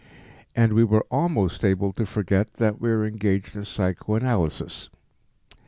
And we were almost able to forget that we are engaged in psychoanalysis.